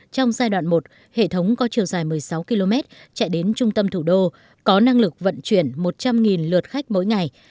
trong giai đoạn một hệ thống có chiều dài một mươi sáu km chạy đến trung tâm thủ đô có năng lực vận chuyển một trăm linh lượt khách mỗi ngày